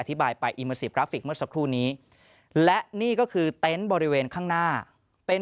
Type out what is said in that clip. อธิบายไปเมื่อสักครู่นี้และนี่ก็คือเต็นบริเวณข้างหน้าเป็น